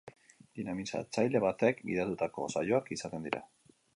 Dinamizatzaile batek gidatutako saioak izaten dira.